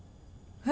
えっ？